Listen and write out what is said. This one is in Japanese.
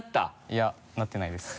いやなってないです。